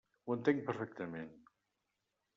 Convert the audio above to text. Ho entenc perfectament.